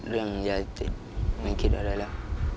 เรื่องยายติดไม่คิดอะไรแล้ว